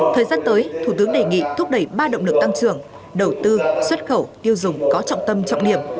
thời gian tới thủ tướng đề nghị thúc đẩy ba động lực tăng trưởng đầu tư xuất khẩu tiêu dùng có trọng tâm trọng điểm